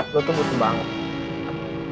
lo tuh butuh banget